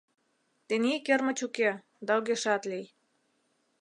— Тений кермыч уке да огешат лий.